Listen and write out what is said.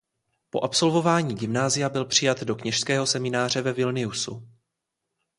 Po absolvování gymnázia byl přijat do kněžského semináře ve Vilniusu.